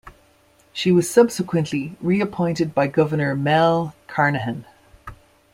She was subsequently re-appointed by Governor Mel Carnahan.